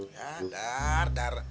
ya dar dar